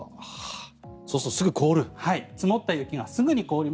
そうするとすぐ凍る。